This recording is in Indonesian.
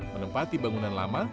menempati bangunan lama